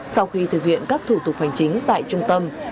sau khi thực hiện các thủ tục hành chính tại trung tâm